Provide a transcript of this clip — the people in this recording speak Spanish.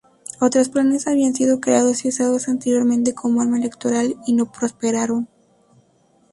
Otros planes habían sido creados y usados anteriormente como arma electoral y no prosperaron.